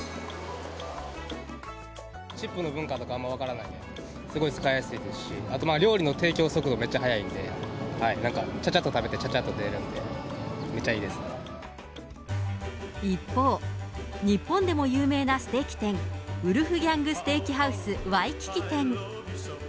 チップの文化とかあんま分かんないんで、すごい使いやすいですし、あと料理の提供速度めっちゃ速いんで、なんかちゃちゃっと食べてちゃちゃっと出れるので、めっちゃいい一方、日本でも有名なステーキ店、ウルフギャング・ステーキハウスワイキキ店。